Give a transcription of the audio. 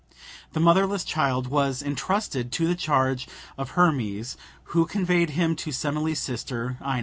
The motherless child was intrusted to the charge of Hermes, who conveyed him to Semele's sister, Ino.